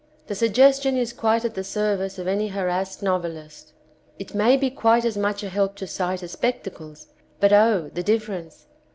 The suggestion is quite at the service of any harassed noveUst. It may be quite as much a help to sight as spectacles, but, O, the difference